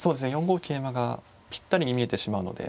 ４五桂馬がぴったりに見えてしまうので。